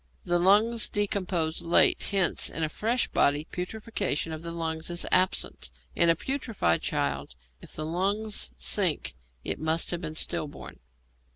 The lungs decompose late, hence in a fresh body putrefaction of the lungs is absent; in a putrefied child, if the lungs sink, it must have been stillborn.